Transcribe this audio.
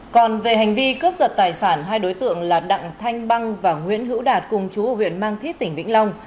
còn về hành vi cướp giật tài sản hai đối tượng là đặng thanh băng và nguyễn hữu đạt cùng chú ở huyện mang thít tỉnh vĩnh long